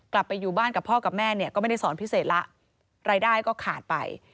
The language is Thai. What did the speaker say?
กลับไปอยู่บ้านกับพ่อกับแม่เนี่ยก็ไม่ได้สอนพิเศษแล้วรายได้ก็ขาดไป